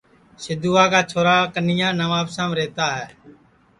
سیدھوا کا چھورا کنیا نوابشام رہتا ہے